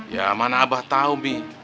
ya mana abah tahu umbi